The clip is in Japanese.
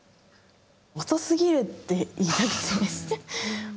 遅すぎるって言いたくて。